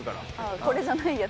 これじゃないやつ？